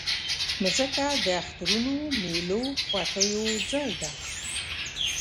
مځکه د اخترونو، میلو، خوښیو ځای ده.